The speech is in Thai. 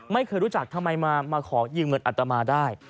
ไม่เคยรู้จักทำไมมาขอยืมเงินอัตมาได้